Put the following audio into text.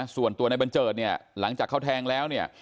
ส่วนตัวในบัญเจิดเนี่ยหลังจากเขาแทงแล้วเนี่ย